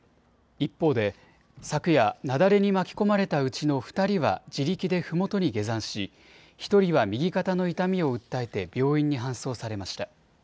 一方で昨夜、雪崩に巻き込まれたうちの２人は自力でふもとに下山し１人は右肩の痛みを訴えて病院に搬送されました。